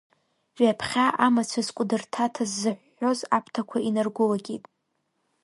Ҩаԥхьа амацәыс Кәыдырҭа ҭазыҳәҳәоз аԥҭақәа инаргәылакьит.